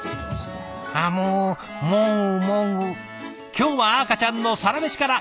今日は赤ちゃんのサラメシから。